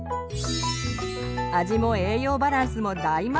味も栄養バランスも大満足！